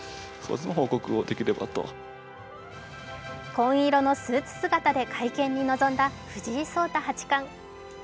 紺色のスーツ姿で会見に臨んだ藤井聡太八冠。